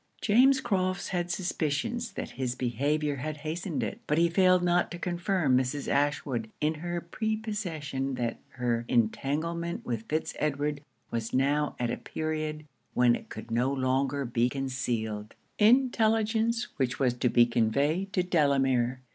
James Crofts had suspicions that his behaviour had hastened it; but he failed not to confirm Mrs. Ashwood in her prepossession that her entanglement with Fitz Edward was now at a period when it could be no longer concealed intelligence which was to be conveyed to Delamere.